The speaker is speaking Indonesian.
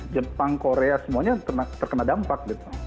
jepang korea semuanya terkena dampak